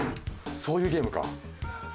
そういうゲームか。